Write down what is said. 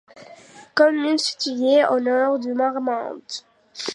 Commune située au nord de Marmande.